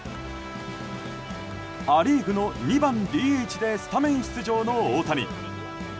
ア・リーグの２番ＤＨでスタメン出場の大谷。